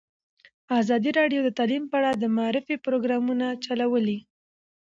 ازادي راډیو د تعلیم په اړه د معارفې پروګرامونه چلولي.